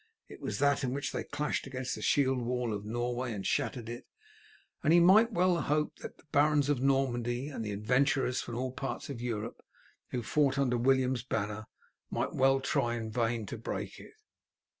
It was that in which they clashed against the shield wall of Norway and shattered it, and he might well hope that the barons of Normandy and the adventurers from all parts of Europe who fought under William's banner might well try in vain to break it.